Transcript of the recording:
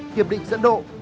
hiệp định dẫn độ